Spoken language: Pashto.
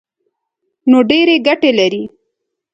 نو ډېرې ګټې لري.